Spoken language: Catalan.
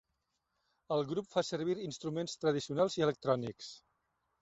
El grup fa servir instruments tradicionals i electrònics.